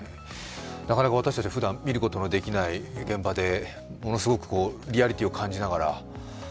なかなか私たちはふだん見ることができない現場でものすごくリアリティーを感じながら。